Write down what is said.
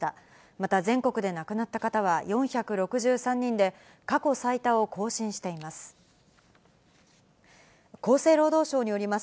また全国で亡くなった方は４６３人で、過去最多を更新しています。